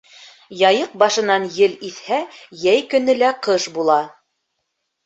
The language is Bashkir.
Яйыҡ башынан ел иҫһә, йәй көнө лә ҡыш була.